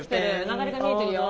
流れが見えてるよ。